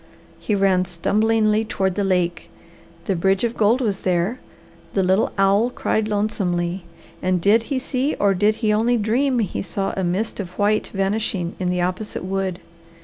He ran stumblingly toward the lake. The bridge of gold was there, the little owl cried lonesomely; and did he see or did he only dream he saw a mist of white vanishing in the opposite wood?